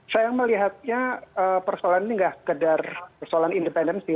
saya melihatnya persoalan ini nggak sekedar persoalan independensi